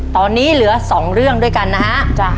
ตอนนี้เหลือ๒เรื่องด้วยกันนะฮะ